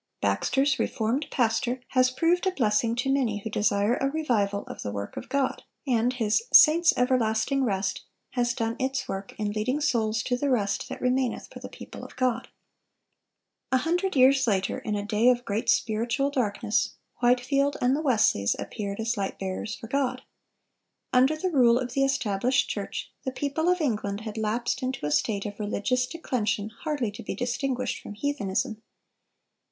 Baxter's "Reformed Pastor" has proved a blessing to many who desire a revival of the work of God, and his "Saints' Everlasting Rest" has done its work in leading souls to the "rest that remaineth for the people of God." A hundred years later, in a day of great spiritual darkness, Whitefield and the Wesleys appeared as light bearers for God. Under the rule of the established church, the people of England had lapsed into a state of religious declension hardly to be distinguished from heathenism.